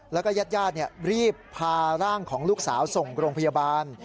แล้วก็ญาติรีบพาร่างของลูกสาวส่งโรงพยาบาล